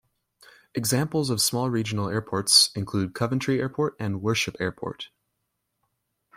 Examples of small regional airports include Coventry Airport and Worship Airport.